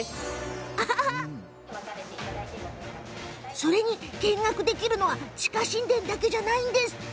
それに、見学できるのは地下神殿だけじゃないんですって。